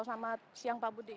selamat siang pak budi